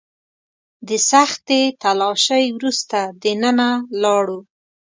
د سختې تلاشۍ وروسته دننه لاړو.